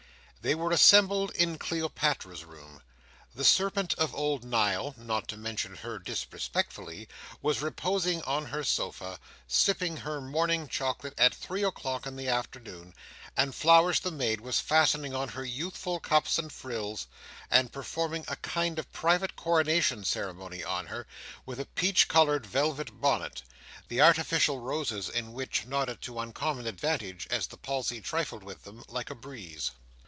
They were assembled in Cleopatra's room. The Serpent of old Nile (not to mention her disrespectfully) was reposing on her sofa, sipping her morning chocolate at three o'clock in the afternoon, and Flowers the Maid was fastening on her youthful cuffs and frills, and performing a kind of private coronation ceremony on her, with a peach coloured velvet bonnet; the artificial roses in which nodded to uncommon advantage, as the palsy trifled with them, like a breeze.